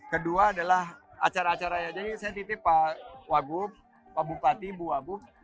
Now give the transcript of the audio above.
kedua adalah acara acara ya jadi saya titip pak wagub pak bupati bu wabuk